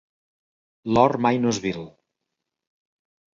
L'or mai no és vil.